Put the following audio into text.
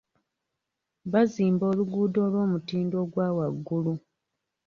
Bazimba oluguudo olw'omutindo ogwa waggulu.